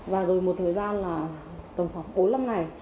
và rồi một thời gian là tầm khoảng bốn năm ngày